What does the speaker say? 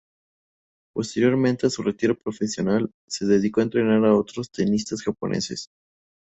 Posteriormente a su retiro profesional, se dedicó a entrenar a otros tenistas japoneses.